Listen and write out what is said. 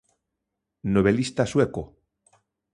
Novelista sueco.